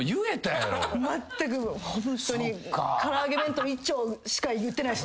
まったくホントに「唐揚げ弁当１丁」しか言ってないです。